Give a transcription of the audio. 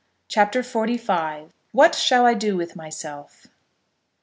CHAPTER XLV. WHAT SHALL I DO WITH MYSELF?